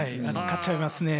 買っちゃいますね。